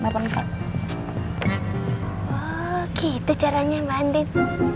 wah gitu caranya mbak din